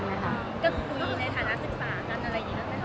คุยในฐานะศึกษากันอย่างไรดีนะคะ